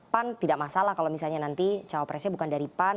pan tidak masalah kalau misalnya nanti cawapresnya bukan dari pan